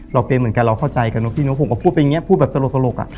เราเป็นเหมือนกันเราเข้าใจกันเนอะพี่น้องผมก็พูดเป็นเงี้ยพูดแบบสโรคสโรคอ่ะค่ะ